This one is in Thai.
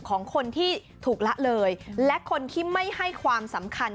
ของคนที่ถูกละเลยและคนที่ไม่ให้ความสำคัญ